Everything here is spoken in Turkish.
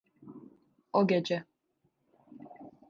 O gece.